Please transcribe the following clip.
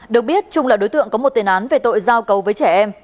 được biết trung là đối tượng có một tên án về tội giao cầu với trẻ em